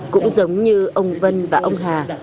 cũng giống như ông vân và ông hà